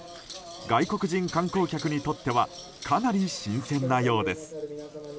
外国人観光客にとってはかなり新鮮なようです。